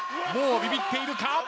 もうビビっているか？